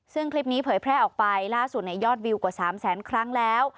ซึ่งคลิปนี้เผยแพร่ออกไปล่าสุดในยอดวิวกว่า๓แสนครั้งแล้ว